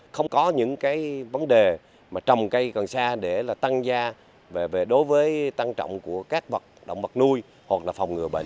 không có những cái vấn đề mà trồng cây cần sa để tăng gia đối với tăng trọng của các vật động vật nuôi hoặc là phòng ngừa bệnh